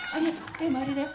でもあれだよ。